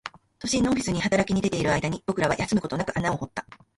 都心のオフィスに働き出ている間に、僕らは休むことなく穴を掘った